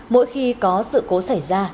mỗi khi có sự cố xảy ra